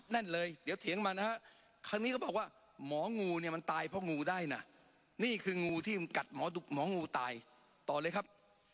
นี่คืองูที่มันกัดหมอดุหมองูตายต่อเลยครับ